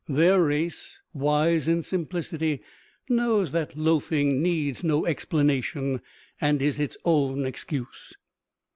Their race, wise in simplicity, knows that loafing needs no explanation and is its own excuse.